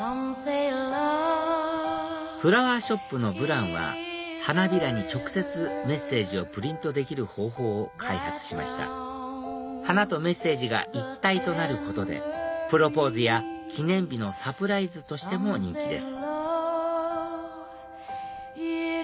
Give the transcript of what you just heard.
フラワーショップのＢＬＡＮＣは花びらに直接メッセージをプリントできる方法を開発しました花とメッセージが一体となることでプロポーズや記念日のサプライズとしても人気です